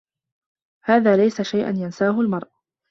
هذا ليس شيئا ينساه المرأ.